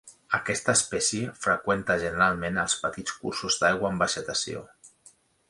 Aquesta espècie freqüenta generalment els petits cursos d'aigua amb vegetació.